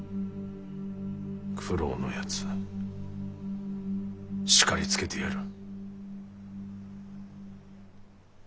九郎のやつ叱りつけてやる。